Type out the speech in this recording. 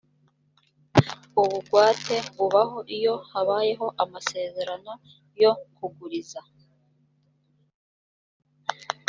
ubugwate bubaho iyo habayeho amasezerano yo kuguriza